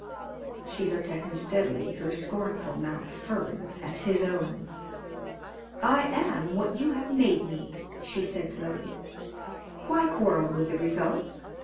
She looked at him steadily, her scornful mouth firm as his own. "I am what you have made me," she said slowly. "Why quarrel with the result?